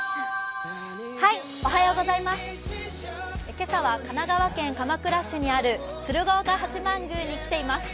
今朝は神奈川県鎌倉市にある鶴岡八幡宮に来ています。